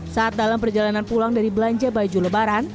saat dalam perjalanan pulang dari belanja baju lebaran